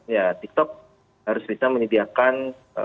ya tiktok harus bisa menyediakan